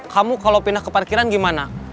kamu kalau pindah ke parkiran gimana